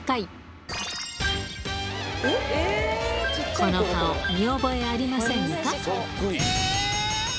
この顔見覚えありませんか？